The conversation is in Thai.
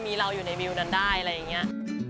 มีเราอยู่ในวิวนั้นได้อะไรอย่างนี้